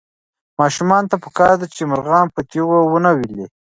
ماشومانو ته پکار ده چې مرغان په تیږو ونه ولي.